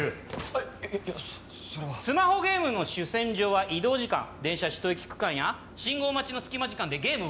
あいやそそれはスマホゲームの主戦場は移動時間電車１駅区間や信号待ちの隙間時間でゲーム